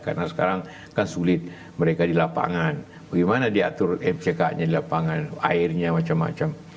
karena sekarang kan sulit mereka di lapangan bagaimana diatur mck nya di lapangan airnya macam macam